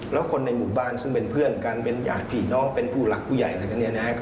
แล้วคนในหมู่บ้านซึ่งเป็นเพื่อนกันเป็นญาติพี่น้องเป็นผู้หลักผู้ใหญ่อะไรกันเนี่ยนะฮะ